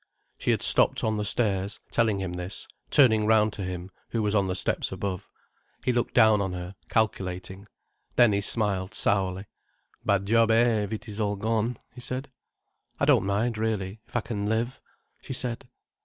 She had stopped on the stairs, telling him this, turning round to him, who was on the steps above. He looked down on her, calculating. Then he smiled sourly. "Bad job, eh, if it is all gone—!" he said. "I don't mind, really, if I can live," she said.